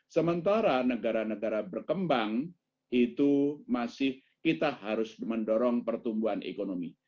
sementara negara negara berkembang itu masih kita harus mendorong pertumbuhan ekonomi